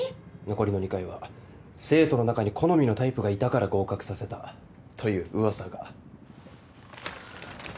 残りの２回は生徒の中に好みのタイプがいたから合格させたという噂が。